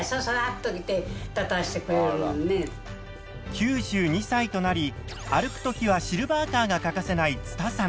９２歳となり歩く時はシルバーカーが欠かせないつたさん。